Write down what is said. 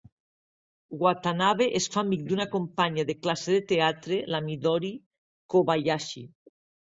Watanabe es fa amic d'una companya de classe de teatre, la Midori Kobayashi.